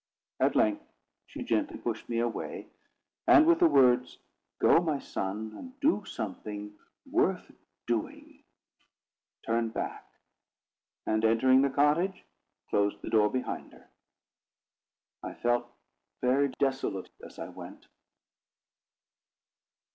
At length she gently pushed me away, and with the words, "Go, my son, and do something worth doing," turned back, and, entering the cottage, closed the door behind her. I felt very desolate as I went.